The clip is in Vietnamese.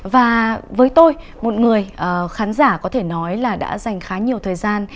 và với tôi một người khán giả có thể nói là đã dành khá nhiều thời gian